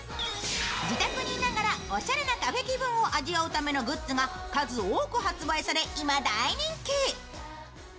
自宅にいながらおしゃれなカフェ気分を味わうためのグッズが数多く発売され、今、大人気。